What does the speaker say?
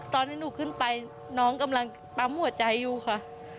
ตอนที่หนูขึ้นไปน้องกำลังปั๊มหัวใจอยู่ค่ะ